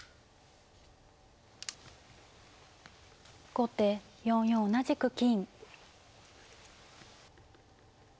後手４四同じく金。